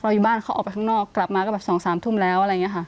เราอยู่บ้านเขาออกไปข้างนอกกลับมา๒๓ทุ่มแล้ว